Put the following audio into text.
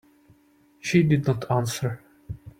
She did not answer.